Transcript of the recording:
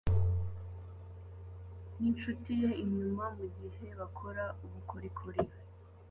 ninshuti ye inyuma mugihe bakora ubukorikori